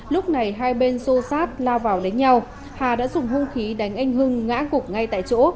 lúc này hai bên xô sát lao vào đánh nhau hà đã dùng hung khí đánh anh hưng ngã gục ngay tại chỗ